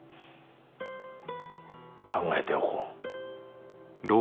考えておこう。